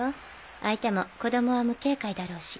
相手も子供は無警戒だろうし。